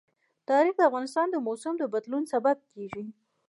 تاریخ د افغانستان د موسم د بدلون سبب کېږي.